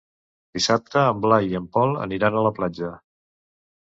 Dissabte en Blai i en Pol aniran a la platja.